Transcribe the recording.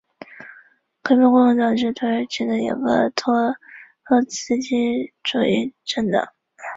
革命工人党是土耳其的一个托洛茨基主义政党。